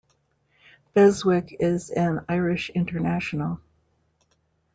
Beswick is an Irish international.